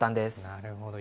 なるほど。